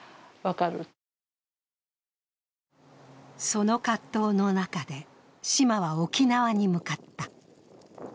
その葛藤の中で島は沖縄に向かった。